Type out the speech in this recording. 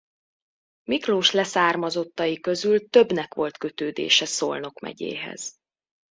Miklós leszármazottai közül többnek volt kötődése Szolnok megyéhez.